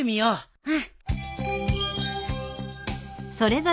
うん！